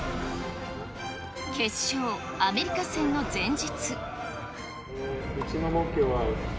決勝、アメリカ戦の前日。